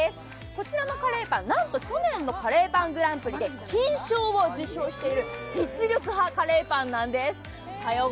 こちらのカレーパン、なんと去年のカレーパングランプリで金賞を受賞している実力派カレーパンなんです。